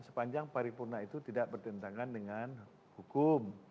sepanjang paripurna itu tidak bertentangan dengan hukum